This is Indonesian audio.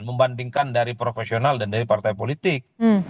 membandingkan dari profesional dan dari partai politik